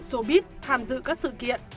xô bít tham dự các sự kiện